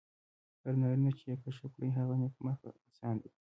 هر نارینه چې یې کشف کړي هغه نېکمرغه انسان دی.